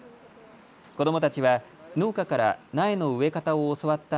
子どもたちは農家から苗の植え方を教わった